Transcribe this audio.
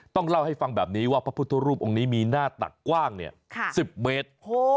ต้องเล่าให้ฟังแบบนี้ว่าพระพุทธรูปองค์นี้มีหน้าตักกว้าง๑๐เมตร